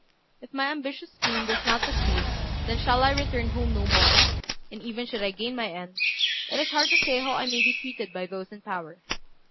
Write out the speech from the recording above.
If my ambitious scheme does not succeed, then shall I return home no more; and even should I gain my end, it is hard to say how I may be treated by those in power.